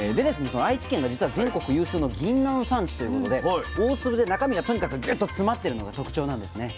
その愛知県がじつは全国有数のぎんなん産地ということで大粒で中身がとにかくギュッと詰まってるのが特徴なんですね。